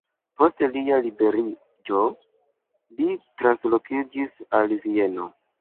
Post lia liberiĝo li translokiĝis al Vieno.